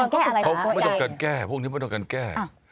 เขาไม่ต้องการแก้พวกนี้ไม่ต้องการแก้